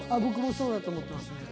僕もそうだと思ってます。